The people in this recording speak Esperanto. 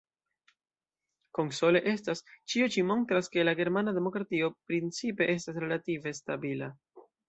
Konsole estas: ĉio ĉi montras, ke la germana demokratio principe estas relative stabila.